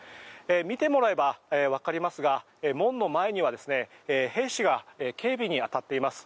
見てもらえばわかりますが門の前には兵士が警備に当たっています。